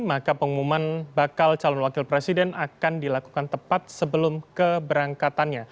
maka pengumuman bakal calon wakil presiden akan dilakukan tepat sebelum keberangkatannya